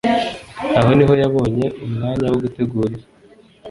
aho niho yabonye umwanya wo gutegurira